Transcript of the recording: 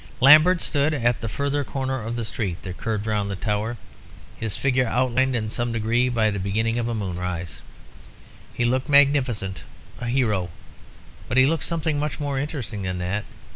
"Lambert stood at the further corner of the street that curved round the tower, his figure outlined in some degree by the beginning of moonrise. He looked magnificent, a hero; but he looked something much more interesting than that.